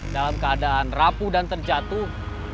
dalam keadaan rapuh dan terjatuh